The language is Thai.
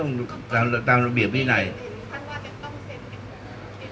ต้องไปอยู่เดียวถ้าจะจัดการเด็ดฐานเลยจะไม่มีการออกชอบ